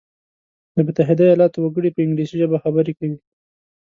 د متحده ایلاتو وګړي په انګلیسي ژبه خبري کوي.